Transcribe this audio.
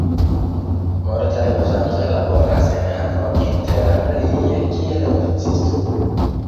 Multaj loĝantoj laboras en Hago interalie kiel oficisto.